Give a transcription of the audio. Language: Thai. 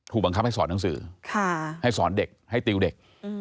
บังคับให้สอนหนังสือให้สอนเด็กให้ติวเด็ก